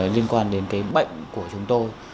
liên quan đến cái bệnh của chúng tôi